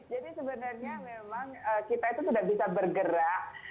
jadi sebenarnya memang kita itu sudah bisa bergerak